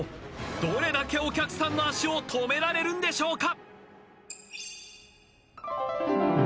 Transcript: どれだけお客さんの足を止められるんでしょうか？